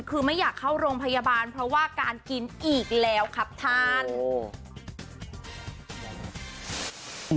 คือไม่อยากเข้าโรงพยาบาลเพราะว่าการกินอีกแล้วครับท่าน